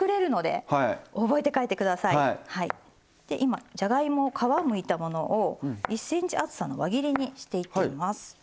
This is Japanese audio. で今じゃがいも皮むいたものを１ｃｍ厚さの輪切りにしていっています。